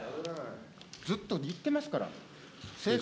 ずっと言ってますから。